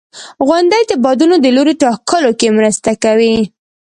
• غونډۍ د بادونو د لوري ټاکلو کې مرسته کوي.